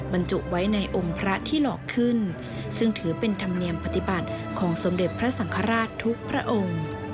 บรรจุไว้ในองค์พระที่หลอกขึ้นซึ่งถือเป็นธรรมเนียมปฏิบัติของสมเด็จพระสังฆราชทุกพระองค์